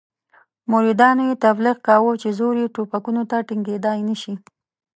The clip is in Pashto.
مریدانو یې تبلیغ کاوه چې زور یې ټوپکونو ته ټینګېدلای نه شي.